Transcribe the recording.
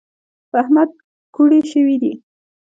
په احمد کوډي شوي دي .